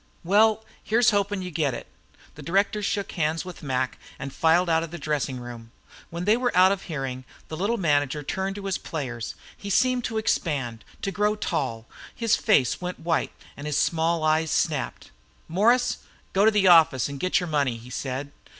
"Well, here's hoping you get it." The directors shook hands with Mac and filed out of the dressing room. When they were out of hearing the little manager turned to his players. He seemed to expand, to grow tall; his face went white, his small eyes snapped. "Morris, go to the office an' get your money," he said.